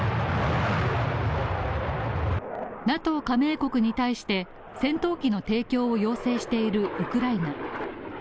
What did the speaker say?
ＮＡＴＯ加盟国に対して戦闘機の提供を要請しているウクライナ。